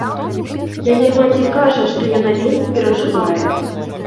Яе маці кажа, што яна вельмі перажывае.